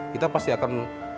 kita pasti akan